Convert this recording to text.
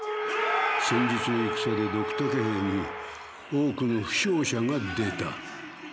先日の戦でドクタケ兵に多くの負傷者が出た。